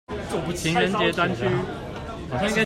情人節專區